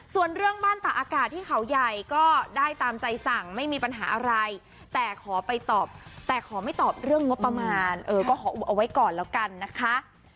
ส่วนเรื่องบ้านตาอากาศที่เขาใหญ่ก็ได้ตามใจสั่งไม่มีปัญหาอะไรแต่ขอไปตอบแต่ขอไม่ตอบเรื่องงบประมาณก็ขออุบเอาไว้ก่อนแล้วกันนะคะ